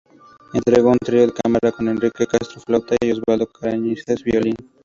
Integró un trío de cámara con Enrique Castro, flauta, y Osvaldo Cañizares, violín.